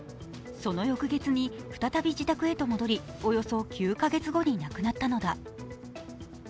その翌月に再び自宅へと戻りおよそ９カ月後に亡くなったのだ。